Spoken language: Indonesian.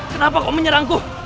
kenapa kau menyerangku